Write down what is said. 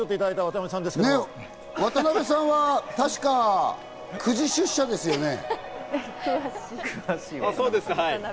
わたなべさんは確か９時出社ですよね？